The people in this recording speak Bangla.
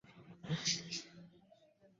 মাঠের ভেতর ও বাইরে ছিল অনেক সিসি ক্যামেরা।